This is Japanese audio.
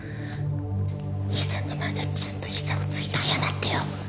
兄さんの前でちゃんと膝をついて謝ってよ！